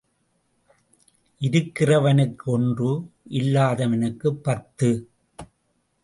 இருக்கிறவனுக்கு ஒன்று இல்லாதவனுக்குப் பத்து.